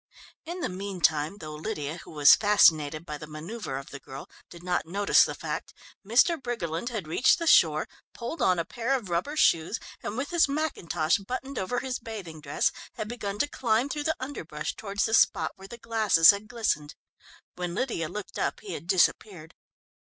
In the meantime, though Lydia, who was fascinated by the manoeuvre of the girl, did not notice the fact, Mr. Briggerland had reached the shore, pulled on a pair of rubber shoes, and with his mackintosh buttoned over his bathing dress, had begun to climb through the underbrush towards the spot where the glasses had glistened. When Lydia looked up he had disappeared.